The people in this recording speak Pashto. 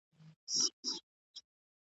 قانون د کمزورو حقونه ساتي.